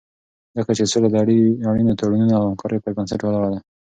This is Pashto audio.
ځکه چې سوله د اړینو تړونونو او همکارۍ پر بنسټ ولاړه ده.